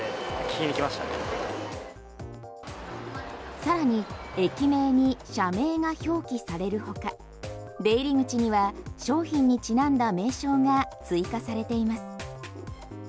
さらに駅名に社名が表記される他出入口には商品にちなんだ名称が追加されています。